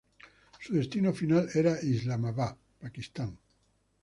Su destino final era Islamabad, Pakistán.